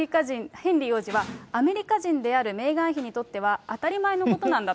ヘンリー王子は、アメリカ人であるメーガン妃にとっては当たり前のことなんだと。